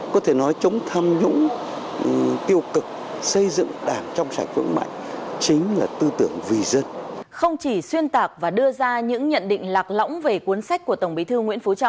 có thể nói chống tham nhũng tiêu cực xây dựng đảng trong sạch vững mạnh chính là tư tưởng vì dân